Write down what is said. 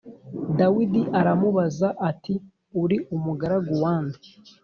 Dawidi aramubaza ati uri umugaragu wa nde